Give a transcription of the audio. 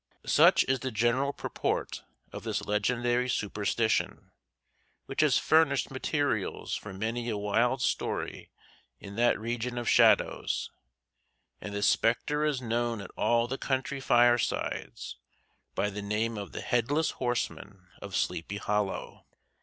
Such is the general purport of this legendary superstition, which has furnished materials for many a wild story in that region of shadows; and the spectre is known at all the country firesides by the name of the Headless Horseman of Sleepy Hollow.